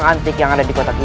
pasti k debenger lu kepadamu